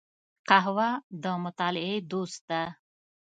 قهوه د مطالعې دوست ده